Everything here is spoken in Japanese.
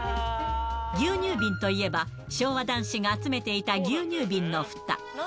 牛乳瓶といえば、昭和男子が集めていた牛乳瓶のふた。